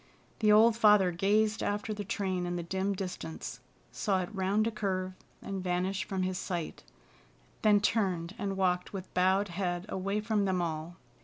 The old father gazed after the train in the dim distance, saw it round a curve and vanish from his sight, then turned and walked with bowed head away from them all.